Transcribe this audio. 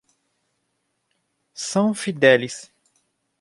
São Fidélis